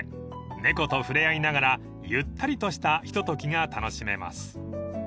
［猫と触れ合いながらゆったりとしたひとときが楽しめます］